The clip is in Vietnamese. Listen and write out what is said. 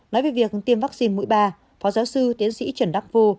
nói về việc tiêm vaccine mũi ba phó giáo sư tiến sĩ trần đắc vô